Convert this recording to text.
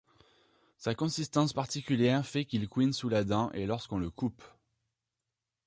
Sa consistance particulière fait qu'il couine sous la dent ou lorsqu'on le coupe.